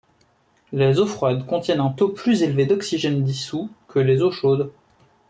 Les eaux froides contiennent un taux plus élevé d’oxygène dissous que les eaux chaudes.